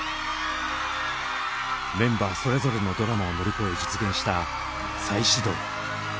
メンバーそれぞれのドラマを乗り越え実現した再始動。